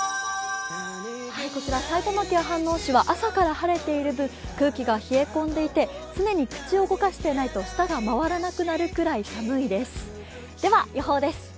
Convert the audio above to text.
こちら埼玉県飯能市は朝から晴れている分空気が冷え込んでいて、常に口を動かしていないと舌が回らなくなるくらい寒いです。